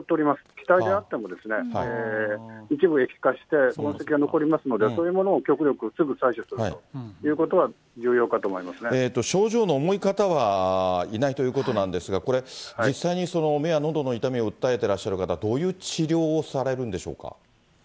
気体であっても、一部液化して、痕跡は残りますので、そういうものを極力、すぐ採取するというこ症状の重い方はいないということなんですが、これ、実際に目やのどの痛みを訴えてらっしゃる方、どういう治療をされるんでしょうか。